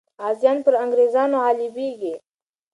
غازیان پر انګریزانو غالبېږي.